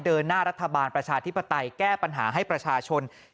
เดินหน้ารัฐบาลประชาธิปไตยแก้ปัญหาให้ประชาชน